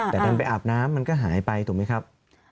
แต่ดันไปอาบน้ำมันก็หายไปถูกไหมครับ